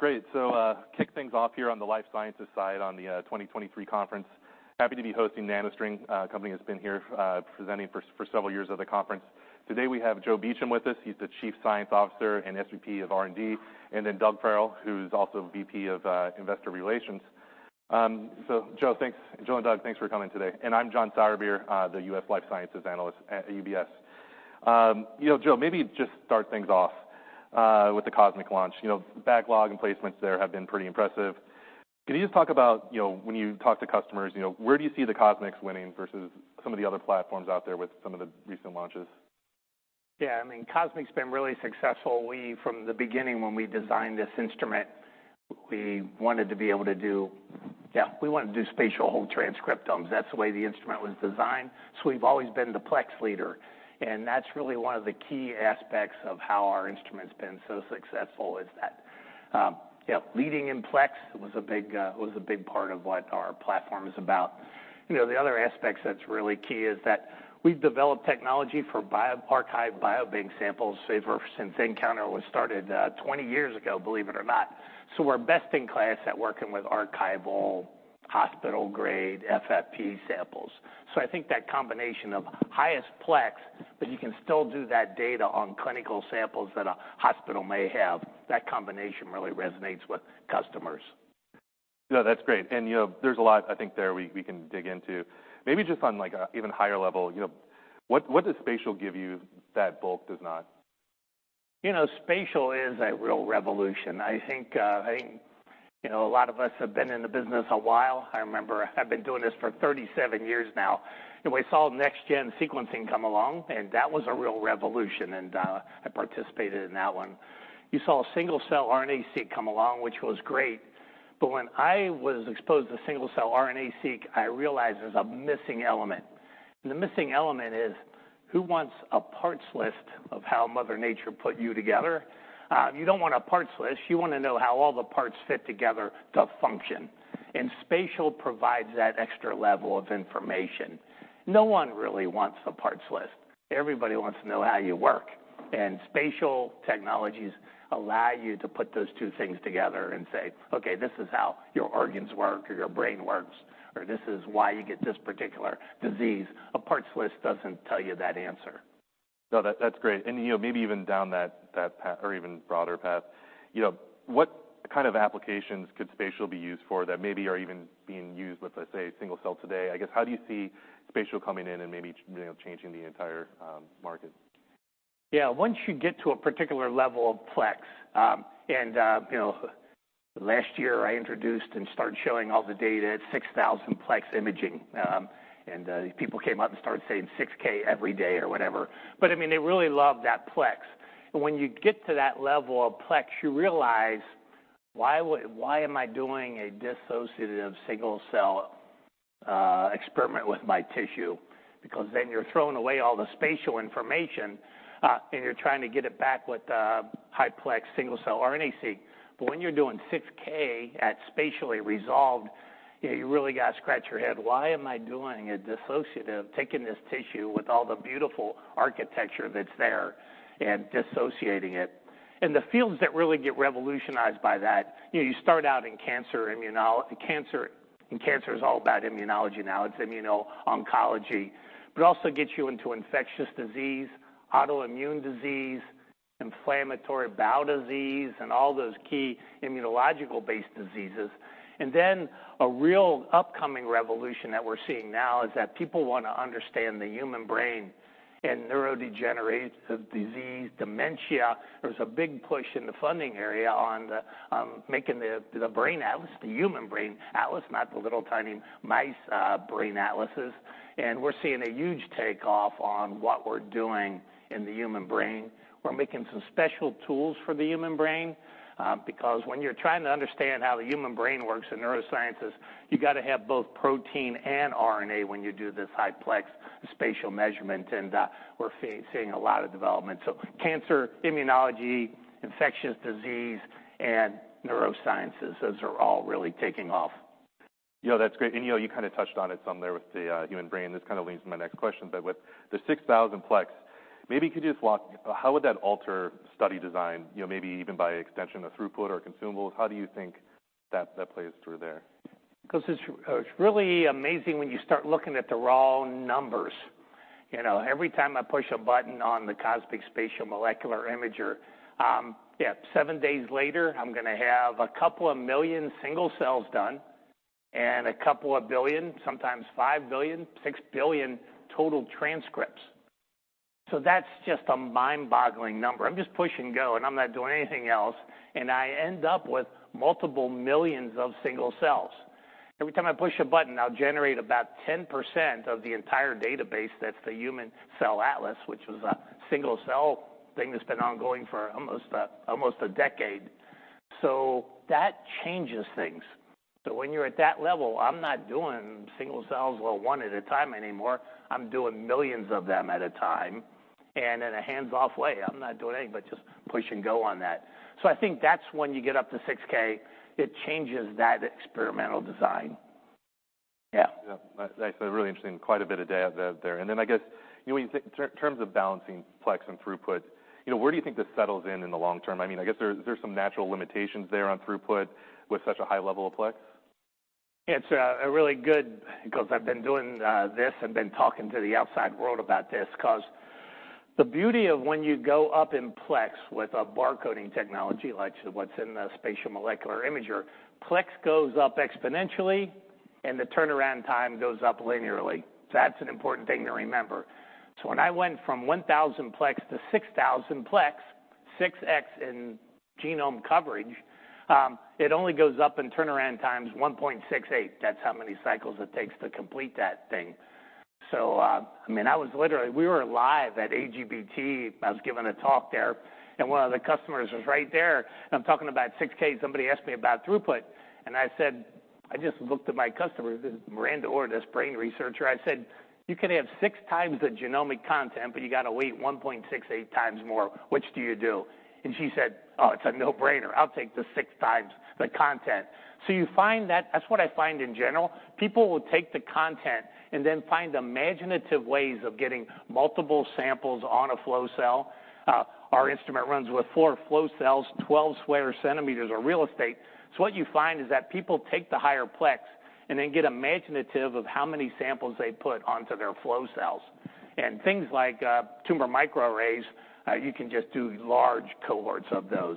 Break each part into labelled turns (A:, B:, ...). A: Great! Kick things off here on the life sciences side, on the 2023 conference. Happy to be hosting NanoString, a company that's been here, presenting for, for several years at the conference. Today, we have Joe Beechem with us. He's the Chief Scientific Officer and SVP of R&D, and then Doug Farrell, who's also VP of Investor Relations. Joe, thanks. Joe and Doug, thanks for coming today. I'm John Sourbeer, the US Life Sciences Analyst at UBS. You know, Joe, maybe just start things off with the CosMx launch. You know, backlog and placements there have been pretty impressive. Can you just talk about, you know, when you talk to customers, you know, where do you see the CosMx winning versus some of the other platforms out there with some of the recent launches?
B: Yeah, I mean, CosMx been really successful. We, from the beginning, when we designed this instrument, we wanted to be able to do. Yeah, we wanted to do spatial whole transcriptomes. That's the way the instrument was designed. We've always been the plex leader, and that's really one of the key aspects of how our instrument's been so successful, is that, yeah, leading in plex was a big part of what our platform is about. You know, the other aspect that's really key is that we've developed technology for bio-archived biobank samples, say, ever since nCounter was started, 20 years ago, believe it or not. We're best in class at working with archival, hospital-grade FFPE samples. I think that combination of highest plex, but you can still do that data on clinical samples that a hospital may have, that combination really resonates with customers.
A: Yeah, that's great. You know, there's a lot, I think, there we, we can dig into. Maybe just on, like, a even higher level, you know, what, what does spatial give you that bulk does not?
B: You know, spatial is a real revolution. I think, I think, you know, a lot of us have been in the business a while. I remember I've been doing this for 37 years now, and we saw next-gen sequencing come along, and that was a real revolution, and I participated in that one. You saw single-cell RNA-seq come along, which was great. But when I was exposed to single-cell RNA-seq, I realized there's a missing element. The missing element is: who wants a parts list of how Mother Nature put you together? You don't want a parts list. You want to know how all the parts fit together to function, and spatial provides that extra level of information. No one really wants a parts list. Everybody wants to know how you work, and spatial technologies allow you to put those two things together and say, "Okay, this is how your organs work, or your brain works," or, "This is why you get this particular disease." A parts list doesn't tell you that answer.
A: No, that, that's great. You know, maybe even down that, that path, or even broader path, you know, what kind of applications could spatial be used for that maybe are even being used with, let's say, a single cell today? I guess, how do you see spatial coming in and maybe, you know, changing the entire market?
B: Yeah, once you get to a particular level of plex, you know, last year I introduced and started showing all the data at 6,000 plex imaging, people came up and started saying 6K every day or whatever. I mean, they really love that plex. When you get to that level of plex, you realize, why am I doing a dissociative single cell experiment with my tissue? Then you're throwing away all the spatial information, and you're trying to get it back with a high plex single-cell RNA-seq. When you're doing 6K at spatially resolved, you really gotta scratch your head, "Why am I doing a dissociative, taking this tissue with all the beautiful architecture that's there and dissociating it?" The fields that really get revolutionized by that, you know, you start out in cancer immunology. Cancer, and cancer is all about immunology now, it's immuno-oncology, but also gets you into infectious disease, autoimmune disease, inflammatory bowel disease, and all those key immunological-based diseases. A real upcoming revolution that we're seeing now is that people want to understand the human brain and neurodegenerative disease, dementia. There's a big push in the funding area on the making the brain atlas, the human brain atlas, not the little, tiny mice brain atlases. We're seeing a huge takeoff on what we're doing in the human brain. We're making some special tools for the human brain, because when you're trying to understand how the human brain works in neurosciences, you gotta have both protein and RNA when you do this high plex spatial measurement, and we're seeing a lot of development. Cancer immunology, infectious disease, and neurosciences, those are all really taking off.
A: Yeah, that's great. You know, you kind of touched on it some there with the human brain. This kind of leads to my next question, but with the 6,000-plex, maybe you could just walk. How would that alter study design, you know, maybe even by extension of throughput or consumables? How do you think that, that plays through there?
B: 'Cause it's really amazing when you start looking at the raw numbers. You know, every time I push a button on the CosMx Spatial Molecular Imager, yeah, seven days later, I'm gonna have 2 million single cells done and 2 billion, sometimes 5 billion, 6 billion total transcripts. That's just a mind-boggling number. I'm just pushing go, and I'm not doing anything else, and I end up with multiple millions of single cells. Every time I push a button, I'll generate about 10% of the entire database that's the Human Cell Atlas, which is a single-cell thing that's been ongoing for almost a, almost a decade. That changes things. When you're at that level, I'm not doing single cells, well, one at a time anymore, I'm doing millions of them at a time, and in a hands-off way. I'm not doing anything but just push and go on that. I think that's when you get up to 6K, it changes that experimental design.
A: Yeah, that's a really interesting, quite a bit of data out there. Then I guess, you know, when you think in terms of balancing plex and throughput, you know, where do you think this settles in, in the long term? I mean, I guess there's, there's some natural limitations there on throughput with such a high level of plex.
B: It's a really good, because I've been doing this and been talking to the outside world about this, because the beauty of when you go up in plex with a barcoding technology, like what's in the Spatial Molecular Imager, plex goes up exponentially and the turnaround time goes up linearly. That's an important thing to remember. When I went from 1,000 plex to 6,000 plex, 6x in genome coverage, it only goes up in turnaround times 1.68. That's how many cycles it takes to complete that thing. I mean, I was literally... We were live at AGBT. I was giving a talk there, and one of the customers was right there. I'm talking about 6K. Somebody asked me about throughput, and I said, I just looked at my customer, this Miranda Orr, this brain researcher. I said, "You could have 6x the genomic content, but you got to wait 1.68 times more. Which do you do?" She said, "Oh, it's a no-brainer. I'll take the 6x the content." You find that's what I find in general. People will take the content and then find imaginative ways of getting multiple samples on a flow cell. Our instrument runs with 4 flow cells, 12 square centimeters of real estate. What you find is that people take the higher plex and then get imaginative of how many samples they put onto their flow cells. Things like, tissue microarrays, you can just do large cohorts of those.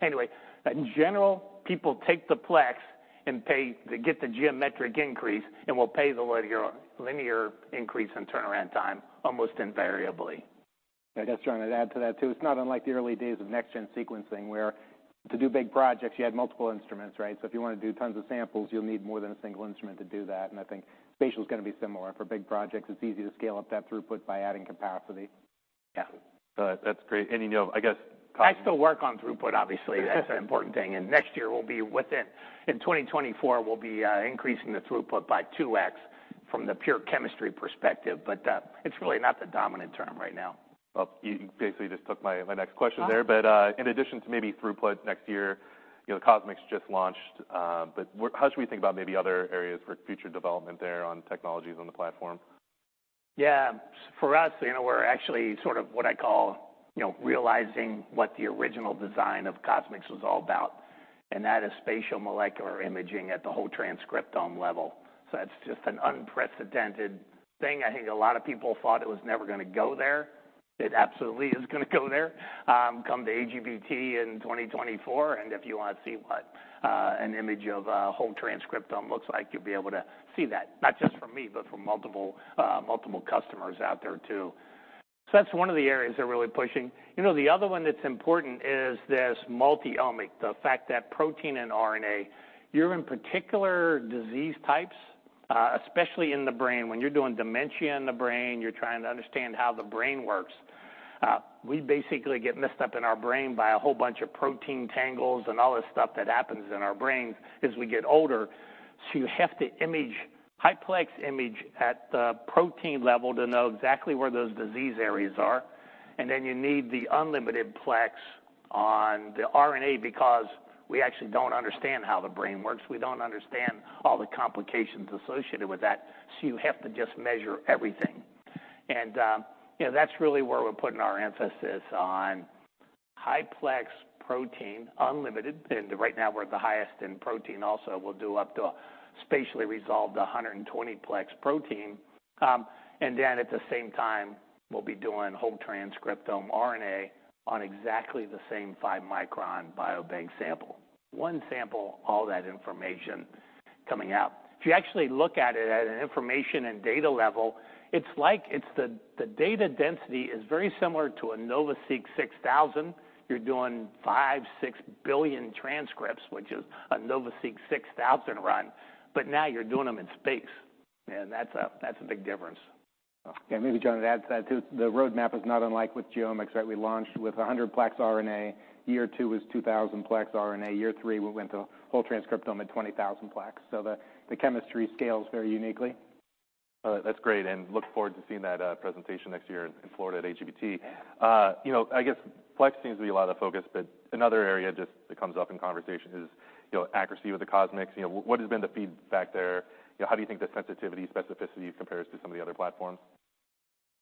B: Anyway, in general, people take the plex and pay to get the geometric increase and will pay the linear, linear increase in turnaround time, almost invariably.
C: I guess, John, I'd add to that, too. It's not unlike the early days of next-gen sequencing, where to do big projects, you had multiple instruments, right? If you want to do tons of samples, you'll need more than a single instrument to do that, and I think spatial is going to be similar. For big projects, it's easy to scale up that throughput by adding capacity.
B: Yeah.
A: That's great. You know, I guess.
B: I still work on throughput, obviously. That's an important thing. In 2024, we'll be increasing the throughput by 2x from the pure chemistry perspective. It's really not the dominant term right now.
A: Well, you basically just took my, my next question there.
B: Oh.
A: In addition to maybe throughput next year, you know, CosMx just launched, but how should we think about maybe other areas for future development there on technologies on the platform?
B: Yeah. For us, you know, we're actually sort of what I call, you know, realizing what the original design of CosMx was all about, and that is spatial molecular imaging at the whole transcriptome level. That's just an unprecedented thing. I think a lot of people thought it was never going to go there. It absolutely is going to go there. Come to AGBT in 2024, and if you want to see what an image of a whole transcriptome looks like, you'll be able to see that, not just from me, but from multiple, multiple customers out there, too. That's one of the areas they're really pushing. You know, the other one that's important is this multi-omic, the fact that protein and RNA, you're in particular disease types, especially in the brain. When you're doing dementia in the brain, you're trying to understand how the brain works. We basically get messed up in our brain by a whole bunch of protein tangles and all this stuff that happens in our brains as we get older. You have to image, high-plex image at the protein level to know exactly where those disease areas are. Then you need the unlimited plex on the RNA because we actually don't understand how the brain works. We don't understand all the complications associated with that, so you have to just measure everything. Yeah, that's really where we're putting our emphasis on high plex protein, unlimited, and right now, we're at the highest in protein. Also, we'll do up to a spatially resolved 120 plex protein. Then at the same time, we'll be doing whole transcriptome RNA on exactly the same 5-micron biobank sample. One sample, all that information coming out. If you actually look at it at an information and data level, it's like, it's the data density is very similar to a NovaSeq 6000. You're doing 5, 6 billion transcripts, which is a NovaSeq 6000 run, but now you're doing them in space, and that's a big difference.
C: Yeah, maybe, John, to add to that, too. The roadmap is not unlike with genomics, right? We launched with a 100 plex RNA. Year two was 2,000 plex RNA. Year three, we went to whole transcriptome at 20,000 plex. The, the chemistry scales very uniquely.
A: That's great, and look forward to seeing that presentation next year in Florida at AGBT. You know, I guess plex seems to be a lot of focus, but another area just that comes up in conversation is, you know, accuracy with the CosMx. You know, what has been the feedback there? You know, how do you think the sensitivity, specificity compares to some of the other platforms?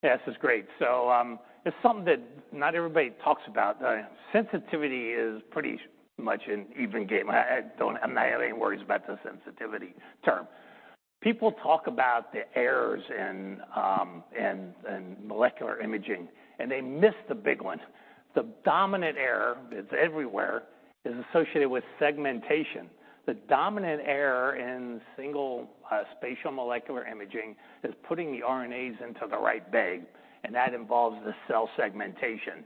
B: Yes, it's great. It's something that not everybody talks about. Sensitivity is pretty much an even game. I, I don't have any worries about the sensitivity term. People talk about the errors in, in molecular imaging, and they miss the big one. The dominant error is everywhere, is associated with segmentation. The dominant error in single spatial molecular imaging, is putting the RNAs into the right bag, and that involves the cell segmentation.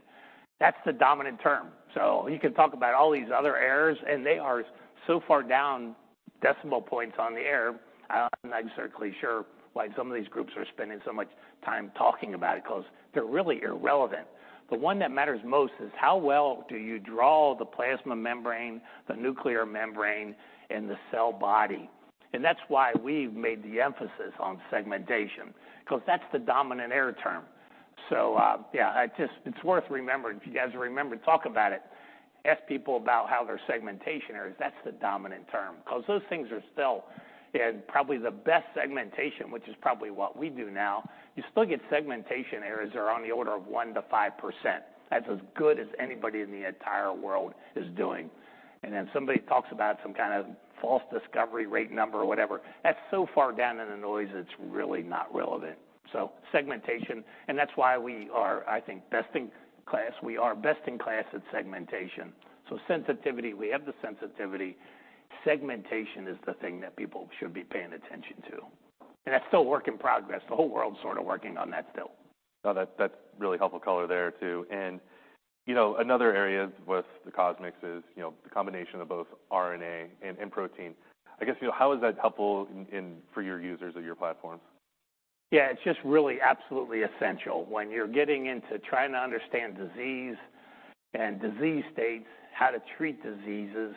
B: That's the dominant term. You can talk about all these other errors, and they are so far down decimal points on the error. I'm not exactly sure why some of these groups are spending so much time talking about it, because they're really irrelevant. The one that matters most is how well do you draw the plasma membrane, the nuclear membrane, and the cell body? That's why we've made the emphasis on segmentation, because that's the dominant error term. Yeah, I just... It's worth remembering, if you guys remember, talk about it. Ask people about how their segmentation errors, that's the dominant term, 'cause those things are still, and probably the best segmentation, which is probably what we do now, you still get segmentation errors are on the order of 1%-5%. That's as good as anybody in the entire world is doing. Then somebody talks about some kind of false discovery rate number or whatever, that's so far down in the noise, it's really not relevant. Segmentation, and that's why we are, I think, best in class. We are best in class at segmentation. Sensitivity, we have the sensitivity. Segmentation is the thing that people should be paying attention to. That's still a work in progress. The whole world's sort of working on that still.
A: No, that, that's really helpful color there, too. You know, another area with the CosMx is, you know, the combination of both RNA and, and protein. I guess, how is that helpful in for your users of your platform?
B: Yeah, it's just really absolutely essential. When you're getting into trying to understand disease and disease states, how to treat diseases,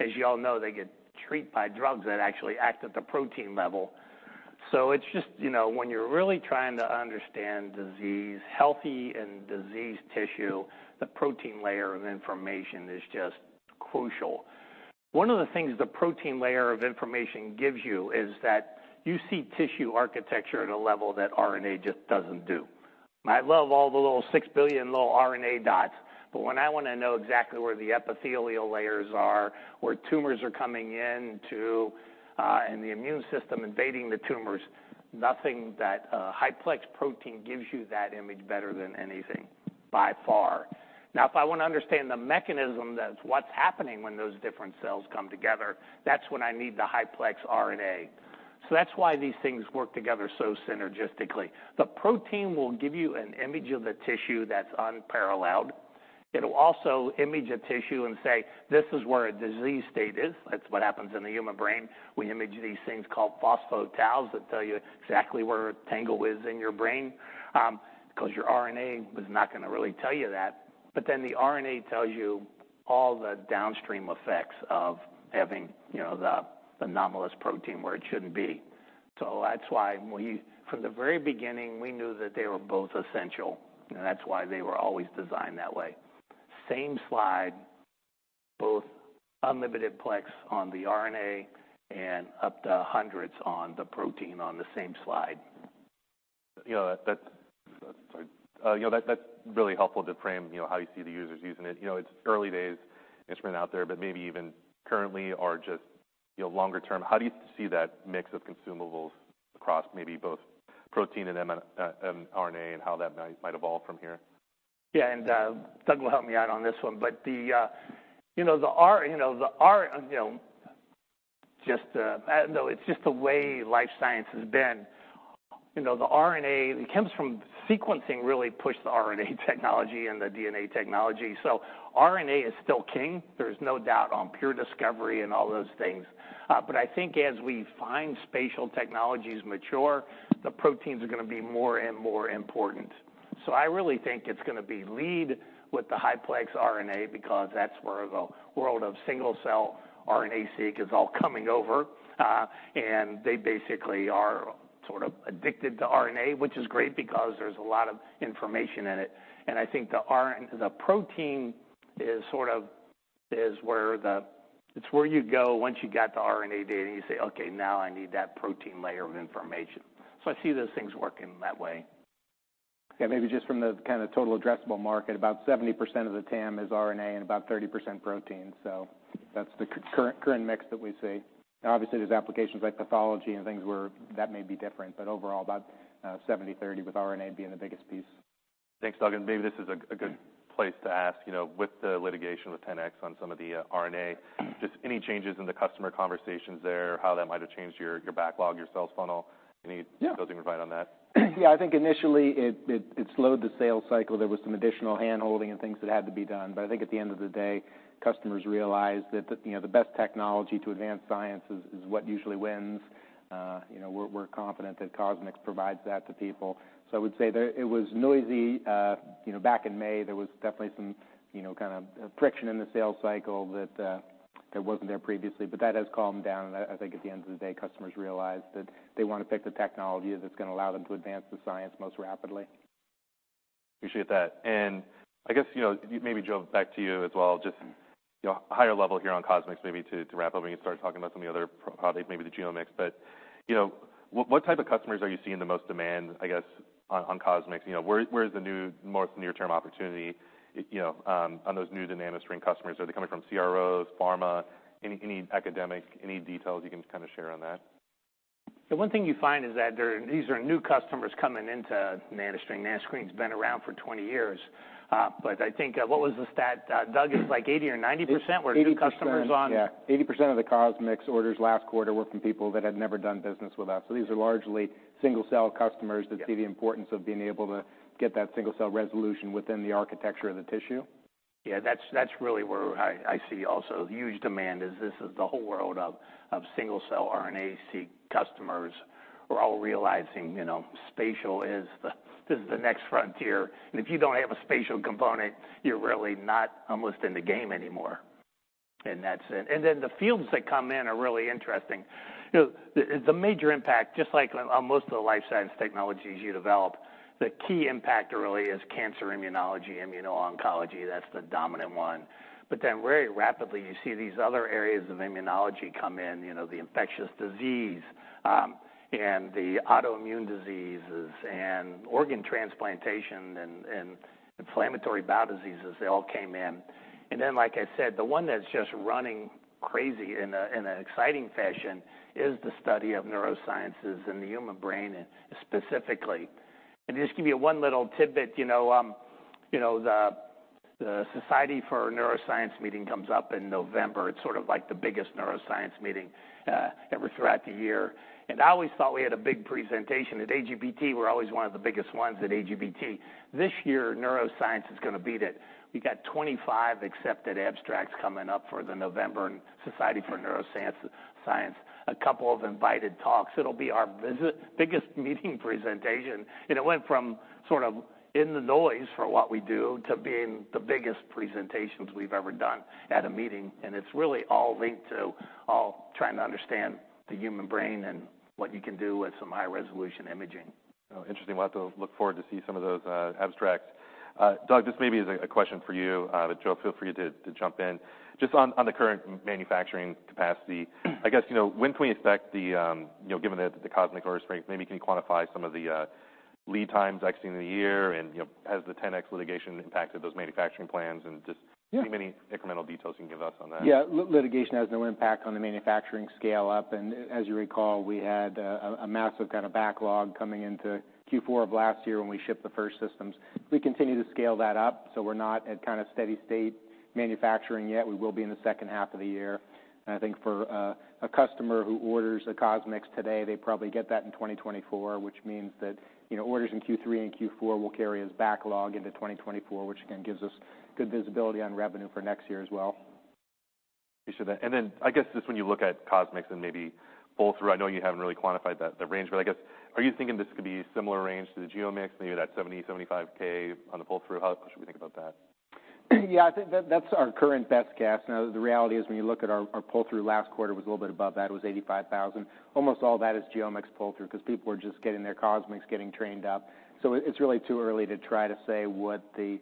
B: as you all know, they get treated by drugs that actually act at the protein level. It's just, you know, when you're really trying to understand disease, healthy and diseased tissue, the protein layer of information is just crucial. One of the things the protein layer of information gives you is that you see tissue architecture at a level that RNA just doesn't do. I love all the little 6 billion little RNA dots, but when I want to know exactly where the epithelial layers are, where tumors are coming in to, and the immune system invading the tumors, nothing that highplex protein gives you that image better than anything, by far. If I want to understand the mechanism, that's what's happening when those different cells come together, that's when I need the highplex RNA. That's why these things work together so synergistically. The protein will give you an image of the tissue that's unparalleled. It'll also image a tissue and say, "This is where a disease state is." That's what happens in the human brain. We image these things called phospho-taus that tell you exactly where a tangle is in your brain, 'cause your RNA is not gonna really tell you that. Then the RNA tells you all the downstream effects of having, you know, the anomalous protein where it shouldn't be. That's why, from the very beginning, we knew that they were both essential, and that's why they were always designed that way. Same slide, both unlimited plex on the RNA and up to hundreds on the protein on the same slide.
A: You know, that's, you know, that's, that's really helpful to frame, you know, how you see the users using it. You know, it's early days instrument out there, but maybe even currently or just, you know, longer term, how do you see that mix of consumables across maybe both protein and RNA, and how that might, might evolve from here?
B: Yeah, Doug will help me out on this one. The, you know, the R, you know, the R, you know, just, no, it's just the way life science has been. You know, the RNA, it comes from... Sequencing really pushed the RNA technology and the DNA technology. RNA is still king. There's no doubt on pure discovery and all those things. I think as we find spatial technologies mature, the proteins are gonna be more and more important. I really think it's gonna be lead with the highplex RNA, because that's where the world of single-cell RNA-seq is all coming over. They basically are sort of addicted to RNA, which is great because there's a lot of information in it. I think the protein is sort of, is where it's where you go once you get the RNA data, and you say, "Okay, now I need that protein layer of information." I see those things working that way.
C: Yeah, maybe just from the kind of total addressable market, about 70% of the TAM is RNA and about 30% protein. That's the current, current mix that we see. Obviously, there's applications like pathology and things where that may be different, but overall, about 70-30, with RNA being the biggest piece.
A: Thanks, Doug, and maybe this is a, a good place to ask, you know, with the litigation with 10x on some of the RNA, just any changes in the customer conversations there, how that might have changed your, your backlog, your sales funnel? Any-
C: Yeah.
A: Anything you can provide on that?
C: Yeah, I think initially, it slowed the sales cycle. There was some additional handholding and things that had to be done, but I think at the end of the day, customers realized that, you know, the best technology to advance science is, is what usually wins. You know, we're, we're confident that CosMx provides that to people. I would say there it was noisy. You know, back in May, there was definitely some, you know, kind of friction in the sales cycle that wasn't there previously, but that has calmed down. I think at the end of the day, customers realized that they want to pick the technology that's gonna allow them to advance the science most rapidly.
A: Appreciate that. I guess, you know, maybe, Joe, back to you as well, just, you know, higher level here on CosMx, maybe to, to wrap up, and you start talking about some of the other products, maybe the GeoMx. You know, what, what type of customers are you seeing the most demand, I guess, on, on CosMx? You know, where, where is the new, more near-term opportunity, you know, on those new NanoString customers? Are they coming from CROs, pharma, any, any academic, any details you can kind of share on that?
B: The one thing you find is that these are new customers coming into NanoString. NanoString's been around for 20 years, I think, what was the stat, Doug? It's like 80% or 90% were new customers.
C: 80%, yeah. 80% of the CosMx orders last quarter were from people that had never done business with us. These are largely single-cell customers.
B: Yeah
C: that see the importance of being able to get that single-cell resolution within the architecture of the tissue.
B: Yeah, that's, that's really where I, I see also huge demand is this is the whole world of, of single-cell RNA-seq customers are all realizing, you know, spatial is this is the next frontier, if you don't have a spatial component, you're really not almost in the game anymore. That's it. The fields that come in are really interesting. You know, the, the major impact, just like on most of the life science technologies you develop, the key impact really is cancer immunology, immuno-oncology, that's the dominant one. Very rapidly, you see these other areas of immunology come in, you know, the infectious disease, and the autoimmune diseases and organ transplantation and inflammatory bowel diseases, they all came in. Then, like I said, the one that's just running crazy in an exciting fashion is the study of neuroscience and the human brain specifically. Just to give you one little tidbit, you know, the Society for Neuroscience meeting comes up in November. It's sort of like the biggest neuroscience meeting ever throughout the year. I always thought we had a big presentation. At AGBT, we're always one of the biggest ones at AGBT. This year, neuroscience is gonna beat it. We've got 25 accepted abstracts coming up for the November Society for Neuroscience. A couple of invited talks. It'll be our biggest meeting presentation. It went from sort of in the noise for what we do to being the biggest presentations we've ever done at a meeting. It's really all linked to all trying to understand the human brain and what you can do with some high-resolution imaging.
A: Oh, interesting. We'll have to look forward to see some of those abstracts. Doug, this maybe is a question for you, but Joe, feel free to jump in. Just on, on the current manufacturing capacity, I guess, you know, when can we expect the... you know, given the CosMx order strength, maybe can you quantify some of the lead times expected in the year and, you know, has the 10x litigation impacted those manufacturing plans?
C: Yeah.
A: Any many incremental details you can give us on that?
C: Yeah, litigation has no impact on the manufacturing scaleup. As you recall, we had a, a massive kind of backlog coming into Q4 of last year when we shipped the first systems. We continue to scale that up, we're not at kind of steady state manufacturing yet. We will be in the second half of the year. I think for a customer who orders a CosMx today, they probably get that in 2024, which means that, you know, orders in Q3 and Q4 will carry as backlog into 2024, which again, gives us good visibility on revenue for next year as well.
A: Appreciate that. Then I guess just when you look at CosMx and maybe pull-through, I know you haven't really quantified the range, but I guess, are you thinking this could be similar range to the GeoMx, maybe that $70,000-$75,000 on the pull-through? How should we think about that?
C: Yeah, I think that, that's our current best guess. Now, the reality is, when you look at our, our pull-through last quarter was a little bit above that. It was 85,000. Almost all that is GeoMx pull-through, 'cause people are just getting their CosMx, getting trained up. It, it's really too early to try to say what the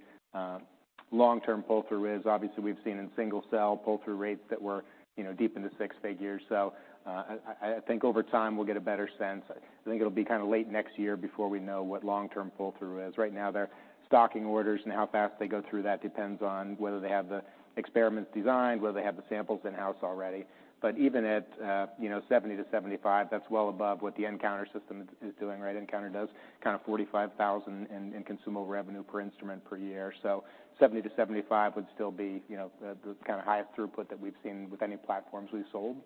C: long-term pull-through is. Obviously, we've seen in single-cell pull-through rates that were, you know, deep into six figures. I, I, I think over time we'll get a better sense. I think it'll be kind of late next year before we know what long-term pull-through is. Right now, they're stocking orders, and how fast they go through that depends on whether they have the experiments designed, whether they have the samples in-house already. Even at, you know, 70-75, that's well above what the nCounter system is doing, right? nCounter does kind of $45,000 in consumable revenue per instrument per year. 70-75 would still be, you know, the kind of highest throughput that we've seen with any platforms we've sold.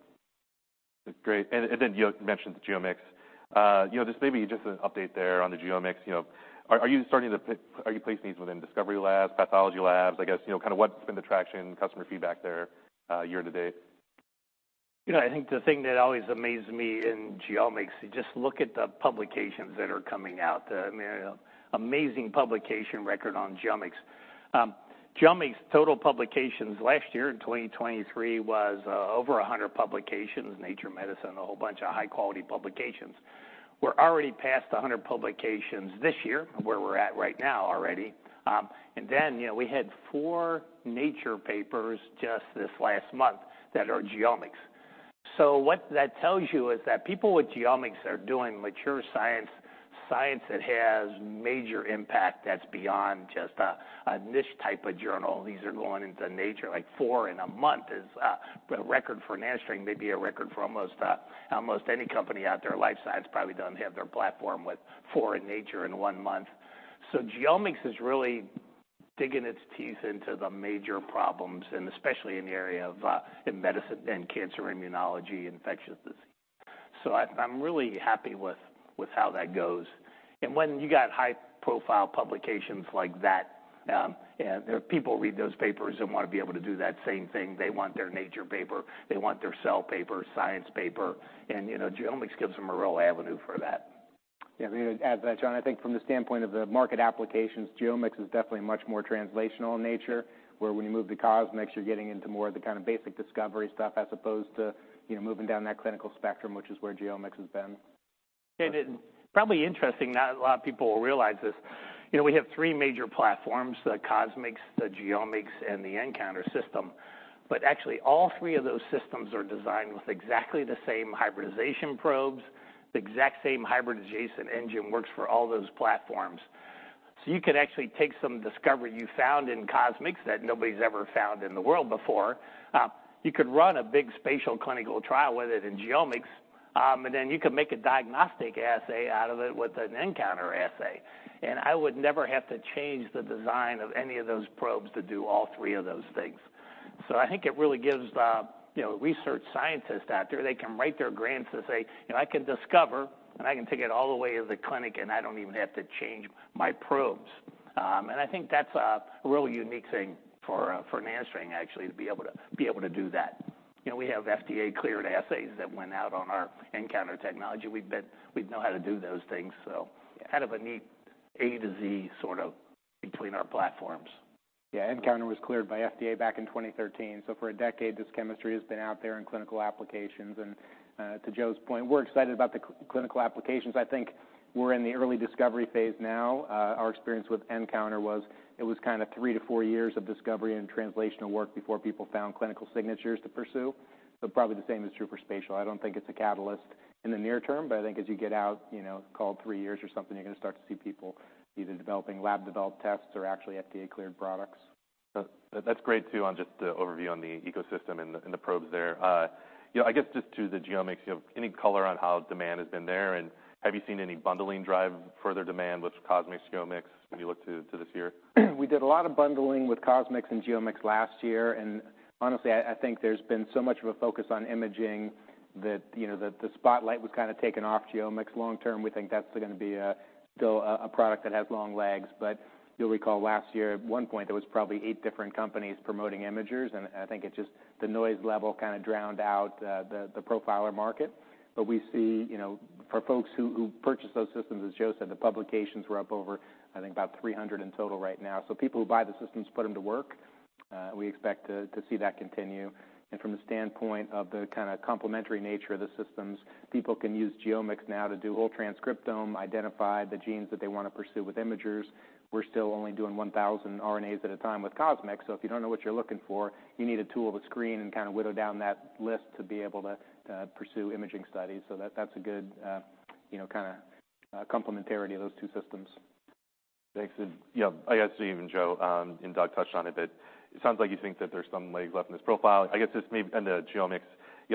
A: Great. Then you mentioned the GeoMx. You know, just maybe just an update there on the GeoMx, you know, are, are you starting to are you placing these within discovery labs, pathology labs? I guess, you know, kind of what's been the traction, customer feedback there, year to date?
B: You know, I think the thing that always amazes me in GeoMx, you just look at the publications that are coming out, the, you know, amazing publication record on GeoMx. GeoMx total publications last year in 2023 was over 100 publications, Nature Medicine, a whole bunch of high-quality publications. We're already past 100 publications this year, where we're at right now already. You know, we had four Nature papers just this last month that are GeoMx. What that tells you is that people with GeoMx are doing mature science, science that has major impact that's beyond just a, a niche type of journal. These are going into Nature, like four in a month is a record for NanoString, maybe a record for almost almost any company out there. Life science probably doesn't have their platform with four in Nature in one month. GeoMx is really digging its teeth into the major problems, and especially in the area of in medicine and cancer immunology, infectious disease. I, I'm really happy with with how that goes. When you got high-profile publications like that, and people read those papers and want to be able to do that same thing, they want their Nature paper, they want their Cell paper, Science paper, and, you know, GeoMx gives them a real avenue for that.
C: Yeah, I mean, to add to that, John, I think from the standpoint of the market applications, GeoMx is definitely much more translational in nature, where when you move to CosMx, you're getting into more of the kind of basic discovery stuff, as opposed to, you know, moving down that clinical spectrum, which is where GeoMx has been.
B: It's probably interesting, not a lot of people will realize this, you know, we have three major platforms, the CosMx, the GeoMx, and the nCounter System, but actually all three of those systems are designed with exactly the same hybridization probes. The exact same hybridization engine works for all those platforms. You could actually take some discovery you found in CosMx that nobody's ever found in the world before, you could run a big spatial clinical trial with it in GeoMx, and then you could make a diagnostic assay out of it with an nCounter assay. I would never have to change the design of any of those probes to do all three of those things. I think it really gives the, you know, research scientists out there, they can write their grants to say: I can discover, and I can take it all the way to the clinic, and I don't even have to change my probes. And I think that's a really unique thing for NanoString actually, to be able to do that. You know, we have FDA-cleared assays that went out on our nCounter technology. We've been- we know how to do those things, so kind of a neat A to Z sort of between our platforms.
C: Yeah, nCounter was cleared by FDA back in 2013. For a decade, this chemistry has been out there in clinical applications. To Joe's point, we're excited about the clinical applications. I think we're in the early discovery phase now. Our experience with nCounter was, it was kind of three to four years of discovery and translational work before people found clinical signatures to pursue. Probably the same is true for spatial. I don't think it's a catalyst in the near term, but I think as you get out, you know, call it three years or something, you're gonna start to see people either developing lab-developed tests or actually FDA-cleared products.
A: That's great, too, on just the overview on the ecosystem and the, and the probes there. You know, I guess just to the genomics, you know, any color on how demand has been there, and have you seen any bundling drive further demand with CosMx, GeoMx as you look to, to this year?
C: We did a lot of bundling with CosMx and GeoMx last year. Honestly, I, I think there's been so much of a focus on imaging that, you know, the, the spotlight was kind of taken off GeoMx. Long term, we think that's gonna be still a product that has long legs. You'll recall last year, at one point, there was probably eight different companies promoting imagers, and I think it just the noise level kind of drowned out, the profiler market. We see, you know, for folks who, who purchased those systems, as Joe said, the publications were up over, I think, about 300 in total right now. People who buy the systems put them to work, we expect to, to see that continue. From the standpoint of the kind of complementary nature of the systems, people can use GeoMx now to do whole transcriptome, identify the genes that they wanna pursue with imagers. We're still only doing 1,000 RNAs at a time with CosMx, so if you don't know what you're looking for, you need a tool to screen and kind of whittle down that list to be able to pursue imaging studies. That, that's a good, you know, kind of complementarity of those two systems.
A: Thanks. Yeah, I guess even Joe and Doug touched on it, but it sounds like you think that there's some legs left in this profile. I guess just maybe, and the GeoMx,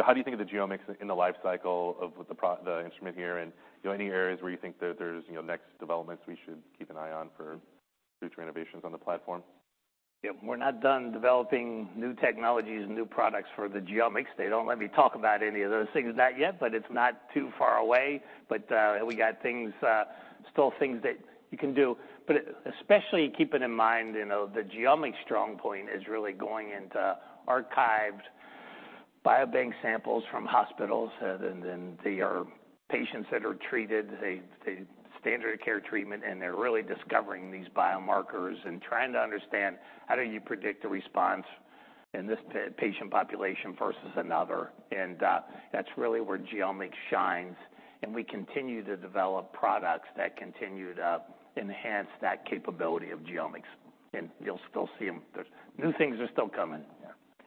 A: how do you think of the GeoMx in the life cycle of what the instrument here and, you know, any areas where you think there, there's, you know, next developments we should keep an eye on for future innovations on the platform?
B: Yeah. We're not done developing new technologies and new products for the GeoMx. They don't let me talk about any of those things back yet, but it's not too far away. We got things, still things that you can do. Especially keeping in mind, you know, the GeoMx strong point is really going into archived biobank samples from hospitals, and then, then they are patients that are treated, a standard care treatment, and they're really discovering these biomarkers and trying to understand how do you predict a response in this patient population versus another? That's really where GeoMx shines, and we continue to develop products that continue to enhance that capability of GeoMx. You'll still see them. There's new things are still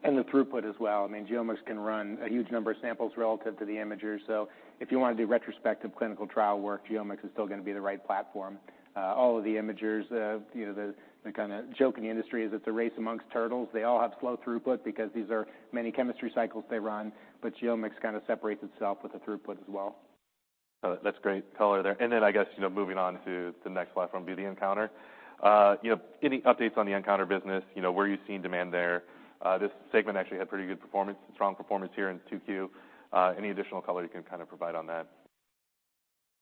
B: coming.
C: Yeah. The throughput as well. I mean, GeoMx can run a huge number of samples relative to the imager. If you wanna do retrospective clinical trial work, GeoMx is still gonna be the right platform. All of the imagers, you know, the, the kind of joke in the industry is it's a race amongst turtles. They all have slow throughput because these are many chemistry cycles they run. GeoMx kind of separates itself with the throughput as well.
A: That's great color there. Then, I guess, you know, moving on to the next platform, be the nCounter. You know, any updates on the nCounter business? You know, where are you seeing demand there? This segment actually had pretty good performance, strong performance here in 2Q. Any additional color you can kind of provide on that?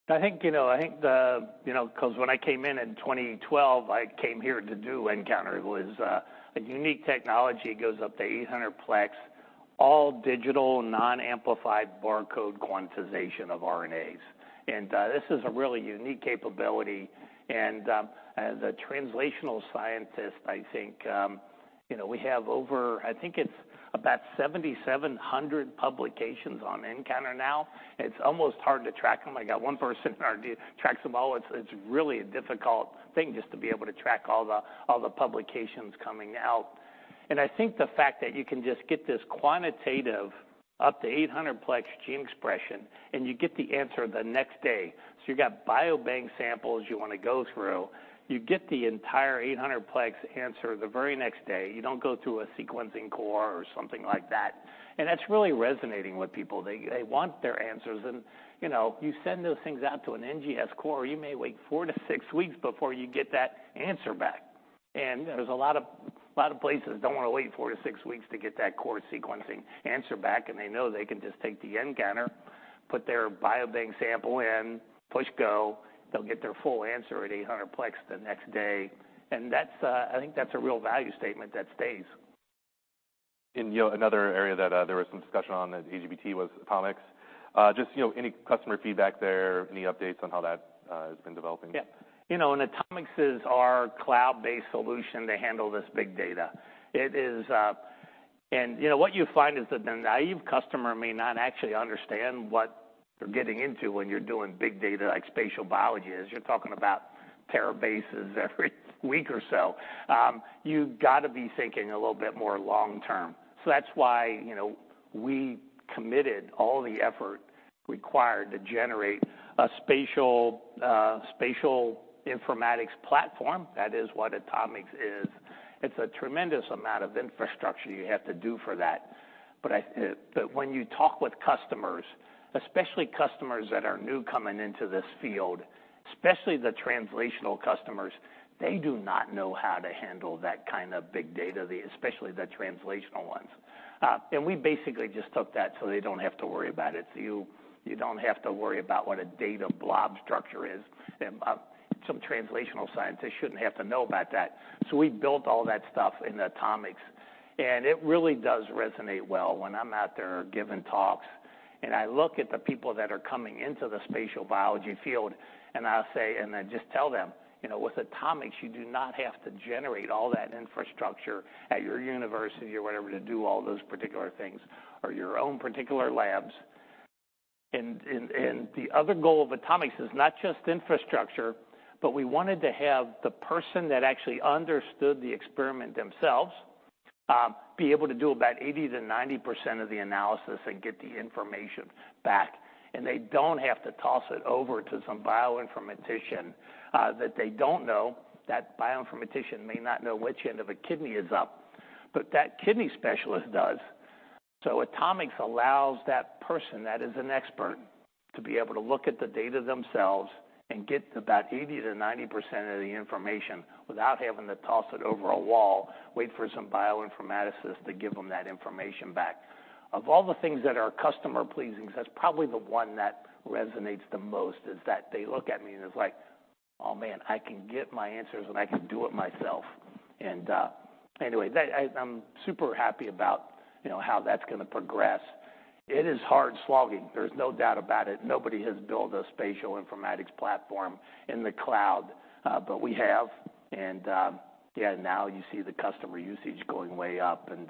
B: I think, you know, I think the... You know, 'cause when I came in in 2012, I came here to do nCounter. It was a unique technology, goes up to 800 plex, all digital, non-amplified barcode quantization of RNAs. This is a really unique capability, and as a translational scientist, I think, you know, we have over... I think it's about 7,700 publications on nCounter now. It's almost hard to track them. I got one person tracks them all. It's, it's really a difficult thing just to be able to track all the, all the publications coming out. I think the fact that you can just get this quantitative up to 800 plex gene expression, and you get the answer the next day. You got biobank samples you wanna go through. You get the entire 800 plex answer the very next day. You don't go through a sequencing core or something like that. That's really resonating with people. They, they want their answers, and, you know, you send those things out to an NGS core, you may wait four-six weeks before you get that answer back. There's a lot of places don't wanna wait four-six weeks to get that core sequencing answer back, and they know they can just take the nCounter, put their biobank sample in, push go, they'll get their full answer at 800 plex the next day. That's, I think that's a real value statement that stays.
A: You know, another area that there was some discussion on at AGBT was AtoMx. Just, you know, any customer feedback there? Any updates on how that has been developing?
B: Yeah. You know, AtoMx is our cloud-based solution to handle this big data. It is. You know, what you find is that the naive customer may not actually understand what they're getting into when you're doing big data like spatial biology is. You're talking about tera bases every week or so. You've got to be thinking a little bit more long term. That's why, you know, we committed all the effort required to generate a spatial, spatial informatics platform. That is what AtoMx is. It's a tremendous amount of infrastructure you have to do for that. When you talk with customers, especially customers that are new coming into this field, especially the translational customers, they do not know how to handle that kind of big data, especially the translational ones. We basically just took that, so they don't have to worry about it. You, you don't have to worry about what a data blob structure is. Some translational scientists shouldn't have to know about that. We built all that stuff in AtoMx, and it really does resonate well. When I'm out there giving talks-... I look at the people that are coming into the spatial biology field, and I'll say, and I just tell them, "You know, with AtoMx, you do not have to generate all that infrastructure at your university or whatever, to do all those particular things, or your own particular labs." And, and the other goal of AtoMx is not just infrastructure, but we wanted to have the person that actually understood the experiment themselves, be able to do about 80% to 90% of the analysis and get the information back. They don't have to toss it over to some bioinformatician that they don't know. That bioinformatician may not know which end of a kidney is up, but that kidney specialist does. AtoMx allows that person, that is an expert, to be able to look at the data themselves and get about 80%-90% of the information without having to toss it over a wall, wait for some bioinformaticist to give them that information back. Of all the things that are customer pleasing, that's probably the one that resonates the most, is that they look at me and it's like, "Oh, man, I can get my answers and I can do it myself." Anyway, that I'm super happy about, you know, how that's gonna progress. It is hard slogging, there's no doubt about it. Nobody has built a spatial informatics platform in the cloud, but we have, and, yeah, now you see the customer usage going way up, and,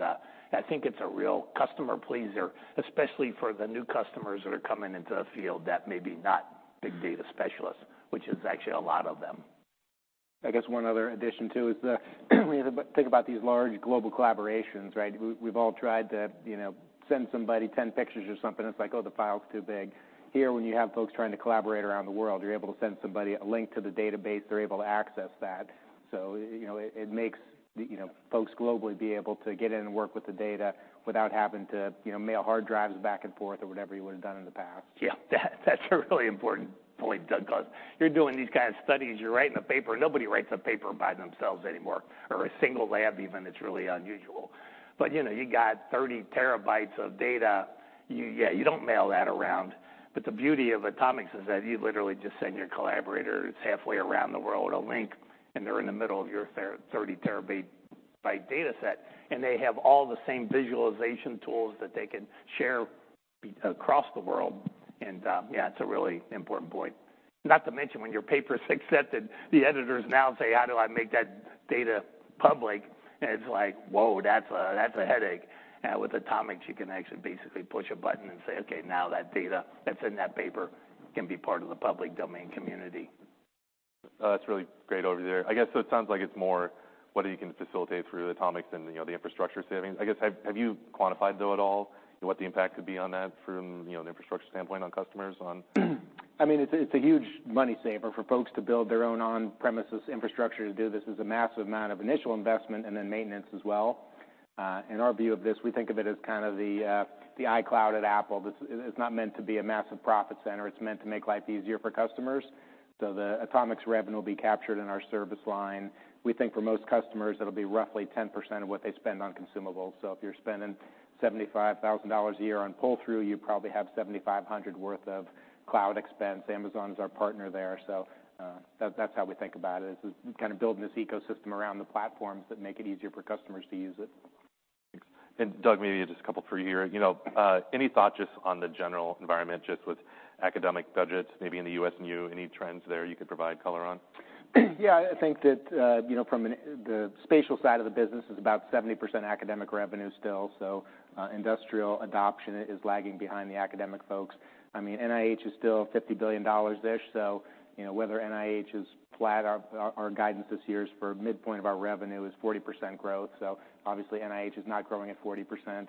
B: I think it's a real customer pleaser, especially for the new customers that are coming into the field that may be not big data specialists, which is actually a lot of them.
C: I guess one other addition, too, is the, we think about these large global collaborations, right? We've all tried to, you know, send somebody 10 pictures or something. It's like, oh, the file's too big. Here, when you have folks trying to collaborate around the world, you're able to send somebody a link to the database. They're able to access that. You know, it, it makes, you know, folks globally be able to get in and work with the data without having to, you know, mail hard drives back and forth or whatever you would have done in the past.
B: Yeah, that's a really important point, Doug, 'cause you're doing these kind of studies, you're writing a paper. Nobody writes a paper by themselves anymore, or a single lab even, it's really unusual. You know, you got 30 terabytes of data, Yeah, you don't mail that around. The beauty of AtoMx is that you literally just send your collaborators halfway around the world a link, and they're in the middle of your 30 terabyte data set, and they have all the same visualization tools that they can share across the world. Yeah, it's a really important point. Not to mention, when your paper is accepted, the editors now say, "How do I make that data public?" It's like, whoa, that's a headache. With AtoMx, you can actually basically push a button and say, "Okay, now that data that's in that paper can be part of the public domain community.
A: That's really great over there. I guess, so it sounds like it's more whether you can facilitate through AtoMx than, you know, the infrastructure savings. I guess, have, have you quantified, though, at all, what the impact could be on that from, you know, an infrastructure standpoint on customers on?
C: I mean, it's a, it's a huge money saver for folks to build their own on-premises infrastructure to do this. There's a massive amount of initial investment and then maintenance as well. In our view of this, we think of it as kind of the iCloud at Apple. It's not meant to be a massive profit center. It's meant to make life easier for customers. The AtoMx revenue will be captured in our service line. We think for most customers, it'll be roughly 10% of what they spend on consumables. If you're spending $75,000 a year on pull through, you probably have $7,500 worth of cloud expense. Amazon is our partner there. That's how we think about it, is kind of building this ecosystem around the platforms that make it easier for customers to use it.
A: Doug, maybe just a couple for you here. You know, any thought just on the general environment, just with academic budgets, maybe in the U.S. and you, any trends there you could provide color on?
C: Yeah, I think that, you know, from the spatial side of the business is about 70% academic revenue still. Industrial adoption is lagging behind the academic folks. I mean, NIH is still $50 billion-ish, you know, whether NIH is flat, our guidance this year is for midpoint of our revenue is 40% growth. Obviously, NIH is not growing at 40%.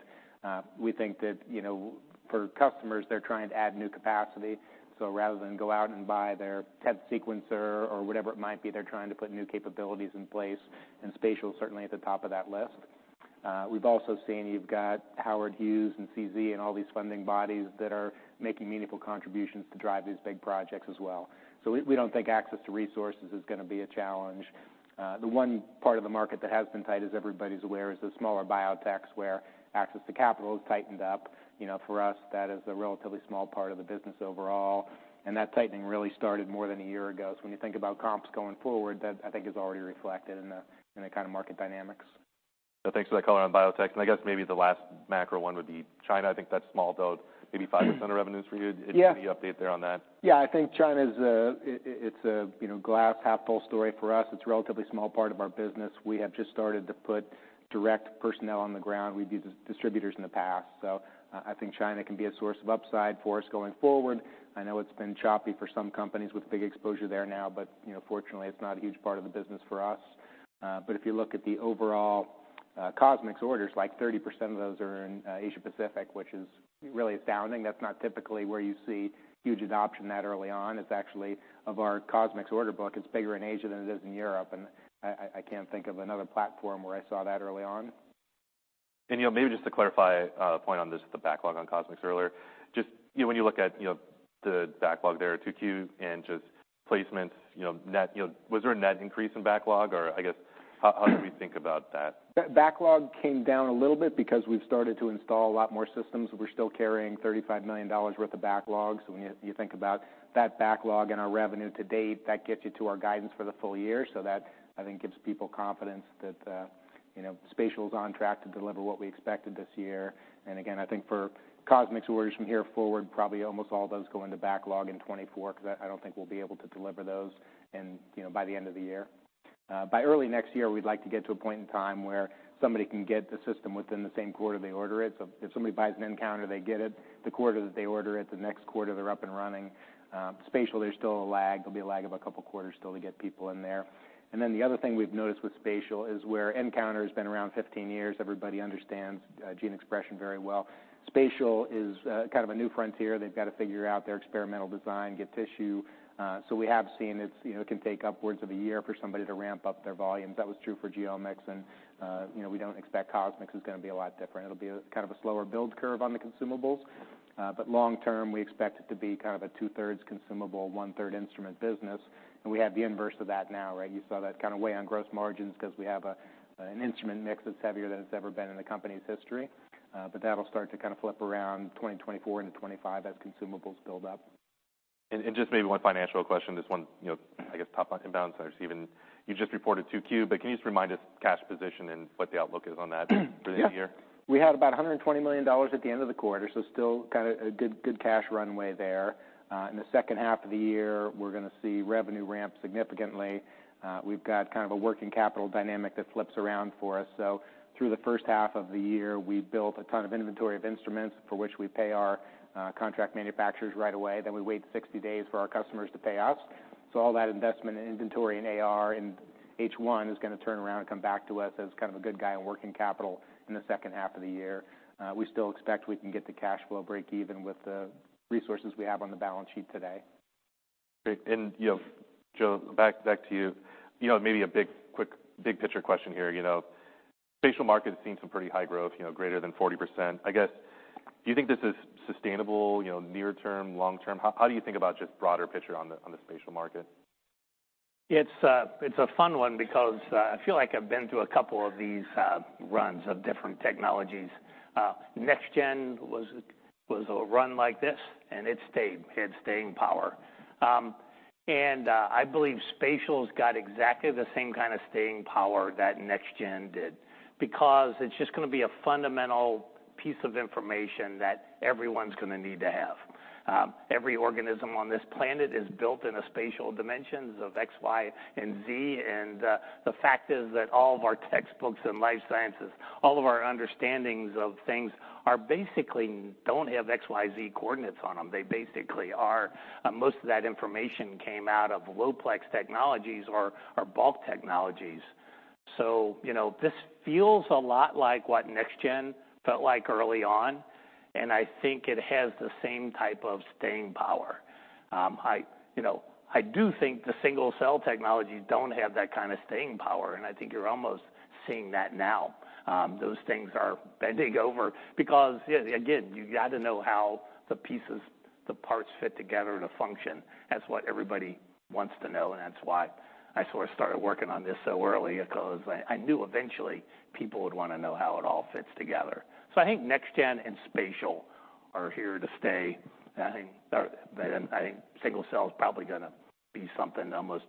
C: We think that, you know, for customers, they're trying to add new capacity. Rather than go out and buy their 10th sequencer or whatever it might be, they're trying to put new capabilities in place, and spatial certainly at the top of that list. We've also seen you've got Howard Hughes and CZ and all these funding bodies that are making meaningful contributions to drive these big projects as well. We, we don't think access to resources is gonna be a challenge. The one part of the market that has been tight, as everybody's aware, is the smaller biotechs, where access to capital has tightened up. You know, for us, that is a relatively small part of the business overall, and that tightening really started more than a year ago. When you think about comps going forward, that, I think, is already reflected in the, in the kind of market dynamics.
A: Thanks for that color on biotech. I guess maybe the last macro one would be China. I think that's small, though, maybe 5% of revenues for you.
C: Yeah.
A: Any update there on that?
C: Yeah, I think China, it, it's a, you know, glass half full story for us. It's a relatively small part of our business. We have just started to put direct personnel on the ground. We've used distributors in the past. I think China can be a source of upside for us going forward. I know it's been choppy for some companies with big exposure there now, you know, fortunately, it's not a huge part of the business for us. If you look at the overall CosMx orders, like 30% of those are in Asia Pacific, which is really astounding. That's not typically where you see huge adoption that early on. It's actually of our CosMx order book. It's bigger in Asia than it is in Europe. I can't think of another platform where I saw that early on.
A: You know, maybe just to clarify, a point on just the backlog on CosMx earlier, just, you know, when you look at, you know, the backlog there at 2Q and just placements, you know, net, you know, was there a net increase in backlog, or I guess, how, how do we think about that?
C: Backlog came down a little bit because we've started to install a lot more systems. We're still carrying $35 million worth of backlogs. When you, you think about that backlog and our revenue to date, that gets you to our guidance for the full year. That, I think, gives people confidence that, you know, spatial is on track to deliver what we expected this year. Again, I think for CosMx orders from here forward, probably almost all of those go into backlog in 2024, because I, I don't think we'll be able to deliver those in, you know, by the end of the year. By early next year, we'd like to get to a point in time where somebody can get the system within the same quarter they order it. If somebody buys an nCounter, they get it the quarter that they order it, the next quarter, they're up and running. Spatial, there's still a lag. There'll be a lag of a couple quarters still to get people in there. The other thing we've noticed with spatial is, where nCounter has been around 15 years, everybody understands gene expression very well. Spatial is kind of a new frontier. They've got to figure out their experimental design, get tissue, so we have seen it's, you know, it can take upwards of a year for somebody to ramp up their volumes. That was true for GeoMx, and, you know, we don't expect CosMx is gonna be a lot different. It'll be a kind of a slower build curve on the consumables, but long term, we expect it to be kind of a two-thirds consumable, one-third instrument business, and we have the inverse of that now, right? You saw that kind of weigh on gross margins 'cause we have an instrument mix that's heavier than it's ever been in the company's history, but that'll start to kind of flip around 2024 into 2025 as consumables build up.
A: Just maybe one financial question, just one, you know, I guess, top line imbalance I've seen. You just reported 2Q, but can you just remind us cash position and what the outlook is on that for the year?
C: We had about $120 million at the end of the quarter, so still kind of a good, good cash runway there. In the second half of the year, we're gonna see revenue ramp significantly. We've got kind of a working capital dynamic that flips around for us. Through the first half of the year, we built a ton of inventory of instruments for which we pay our contract manufacturers right away. We wait 60 days for our customers to pay us. All that investment in inventory and AR in H1 is gonna turn around and come back to us as kind of a good guy in working capital in the second half of the year. We still expect we can get the cash flow break even with the resources we have on the balance sheet today.
A: Great. You know, Joe, back, back to you. You know, maybe a big, quick, big picture question here, you know, spatial market has seen some pretty high growth, you know, greater than 40%. I guess, do you think this is sustainable, you know, near term, long term? How, how do you think about just broader picture on the, on the spatial market?
B: It's a fun one because I feel like I've been through a couple of these runs of different technologies. next-gen was a run like this, and it stayed. It had staying power. I believe spatial's got exactly the same kind of staying power that next-gen did, because it's just gonna be a fundamental piece of information that everyone's gonna need to have. Every organism on this planet is built in a spatial dimensions of X, Y, and Z. The fact is that all of our textbooks and life sciences, all of our understandings of things are basically... don't have XYZ coordinates on them. They basically are, most of that information came out of low plex technologies or bulk technologies. You know, this feels a lot like what next-gen felt like early on, and I think it has the same type of staying power. I, you know, I do think the single-cell technologies don't have that kind of staying power, and I think you're almost seeing that now. Those things are bending over because, yeah, again, you got to know how the pieces, the parts fit together to function. That's what everybody wants to know, and that's why I sort of started working on this so early, because I, I knew eventually people would wanna know how it all fits together. I think next-gen and spatial are here to stay. I think, then I think single-cell is probably gonna be something almost...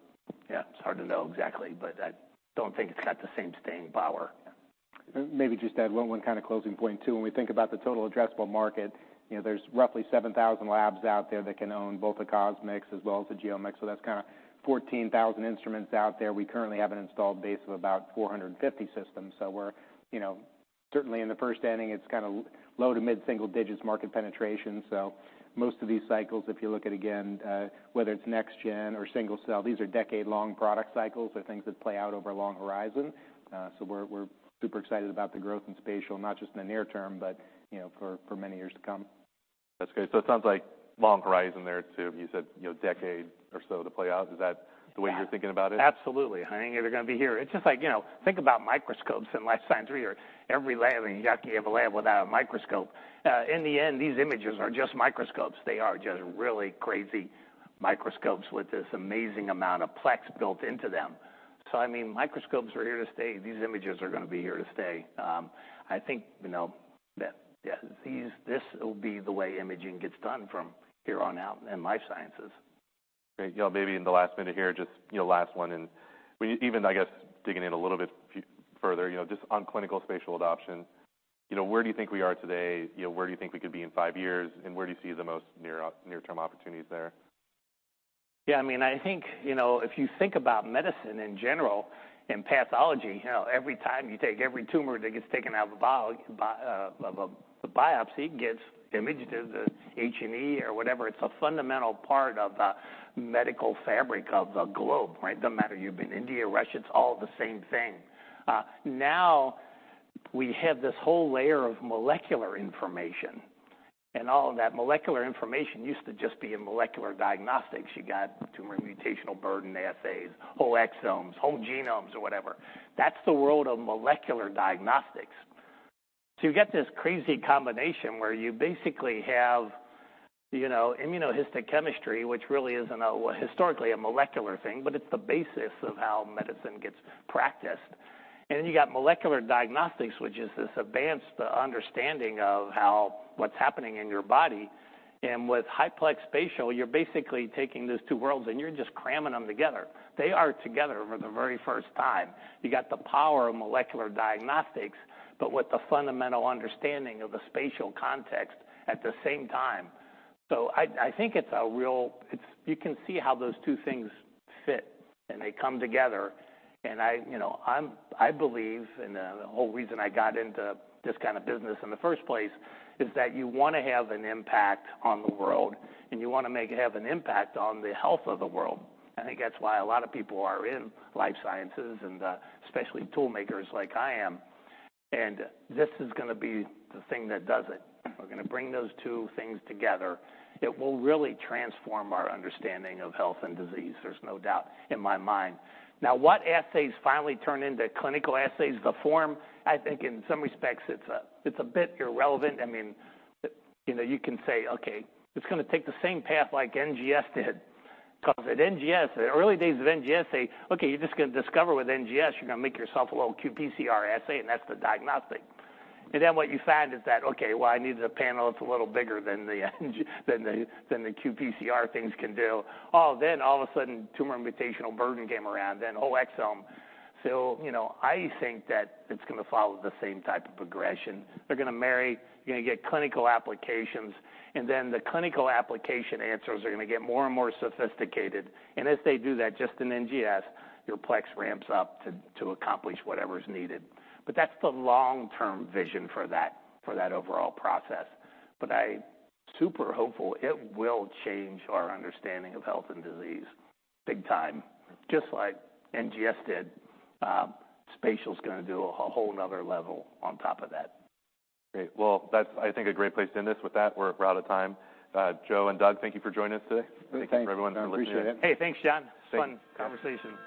B: yeah, it's hard to know exactly, but I don't think it's got the same staying power.
C: Maybe just add one, one kind of closing point, too. When we think about the total addressable market, you know, there's roughly 7,000 labs out there that can own both the CosMx as well as the GeoMx, so that's kind of 14,000 instruments out there. We currently have an installed base of about 450 systems, so we're, you know, certainly in the 1st inning, it's kind of low to mid single digits, market penetration. Most of these cycles, if you look at, again, whether it's next-gen or single cell, these are decade-long product cycles. They're things that play out over a long horizon. So we're, we're super excited about the growth in spatial, not just in the near term, but, you know, for, for many years to come.
A: That's great. It sounds like long horizon there, too. You said, you know, decade or so to play out. Is that the way-
B: Yeah
A: you're thinking about it?
B: Absolutely. I think they're gonna be here. It's just like, you know, think about microscopes in life science. We are every lab, and you can't have a lab without a microscope. In the end, these images are just microscopes. They are just really crazy microscopes with this amazing amount of plex built into them. I mean, microscopes are here to stay. These images are gonna be here to stay. I think, you know, that, yeah, this will be the way imaging gets done from here on out in life sciences.
A: Great. You know, maybe in the last minute here, just, you know, last one, and we even, I guess, digging in a little bit further, you know, just on clinical spatial adoption, you know, where do you think we are today? You know, where do you think we could be in five years, and where do you see the most near-term opportunities there?
B: Yeah, I mean, I think, you know, if you think about medicine in general and pathology, you know, every time you take every tumor that gets taken out of a biopsy, gets imaged as a H&E or whatever. It's a fundamental part of the medical fabric of the globe, right? Doesn't matter if you've been India, Russia, it's all the same thing. Now we have this whole layer of molecular information, all of that molecular information used to just be in molecular diagnostics. You got tumor mutational burden, assays, whole exomes, whole genomes, or whatever. That's the world of molecular diagnostics. You get this crazy combination where you basically have, you know, immunohistochemistry, which really isn't a, historically, a molecular thing, but it's the basis of how medicine gets practiced. Then you got molecular diagnostics, which is this advanced understanding of how, what's happening in your body, and with high plex spatial, you're basically taking those two worlds, and you're just cramming them together. They are together for the very first time. You got the power of molecular diagnostics, but with the fundamental understanding of the spatial context at the same time. I, I think it's a real- you can see how those two things fit, and they come together, and I, you know, I believe, and, the whole reason I got into this kind of business in the first place, is that you want to have an impact on the world, and you want to have an impact on the health of the world. I think that's why a lot of people are in life sciences and especially tool makers like I am, and this is gonna be the thing that does it. We're gonna bring those two things together. It will really transform our understanding of health and disease. There's no doubt in my mind. Now, what assays finally turn into clinical assays, the form, I think in some respects, it's a, it's a bit irrelevant. I mean, you know, you can say, okay, it's gonna take the same path like NGS did. 'Cause at NGS, the early days of NGS, say, "Okay, you're just gonna discover with NGS, you're gonna make yourself a little qPCR assay, and that's the diagnostic." Then what you find is that, okay, well, I need a panel that's a little bigger than the, than the qPCR things can do. All of a sudden, tumor mutational burden came around, then whole exome. You know, I think that it's gonna follow the same type of progression. They're gonna marry, you're gonna get clinical applications, and then the clinical application answers are gonna get more and more sophisticated, and as they do that, just in NGS, your plex ramps up to accomplish whatever is needed. That's the long-term vision for that, for that overall process. I'm super hopeful it will change our understanding of health and disease big time, just like NGS did. Spatial's gonna do a whole another level on top of that.
A: Great. Well, that's I think, a great place to end this. With that, we're out of time. Joe and Doug, thank you for joining us today.
B: Great, thanks.
C: Thanks, everyone. I appreciate it.
B: Hey, thanks, John.
A: Thanks.
B: Fun conversation.